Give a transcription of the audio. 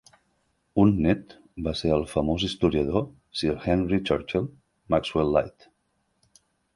Un net va ser el famós historiador Sir Henry Churchill Maxwell-Lyte.